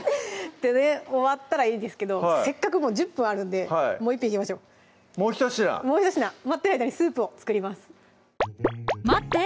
終わったらいいですけどせっかく１０分あるんでもう１品いきましょうもう１品待ってる間にスープを作ります待って！